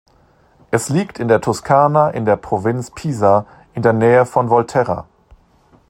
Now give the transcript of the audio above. Es liegt in der Toskana in der Provinz Pisa in der Nähe von Volterra.